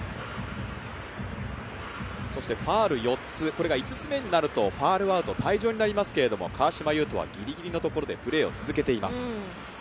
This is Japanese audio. ファウル４つ、これが５つ目になるとファウルアウト、退場になりますけれども、川島悠翔はぎりぎりのところでプレーを続けています。